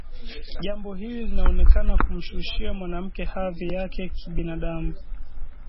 Jambo hili linaonekana kumshushia mwanamke hadhi yake ya kibinadamu